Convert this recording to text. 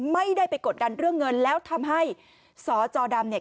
ไม่ได้ไปกดดันเรื่องเงินแล้วทำให้สจดำเนี่ย